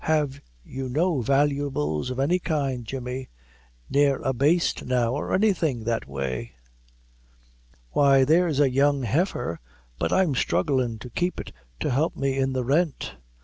Have you no valuables of any kind, Jemmy! ne'er a baste now, or anything that way?" "Why, there's a young heifer; but I'm strugglin' to keep it to help me in the rent.